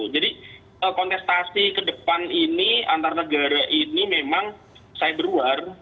jadi kontestasi ke depan ini antara negara ini memang cyber war